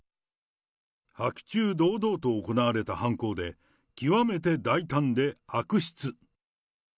白昼堂々と行われた犯行で、極めて大胆で悪質。